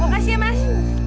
oh kasih ya mas